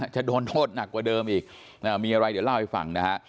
จะโดนโทษหนักกว่าเดิมอีกมีอะไรเดี๋ยวเล่าให้ฟังนะฮะ